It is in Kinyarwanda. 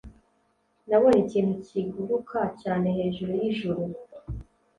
nabonye ikintu kiguruka cyane hejuru yijuru